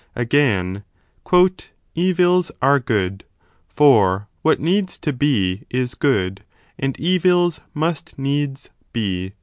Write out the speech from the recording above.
Again, Evils are good : for what needs to be is good, and 35 evils must needs be.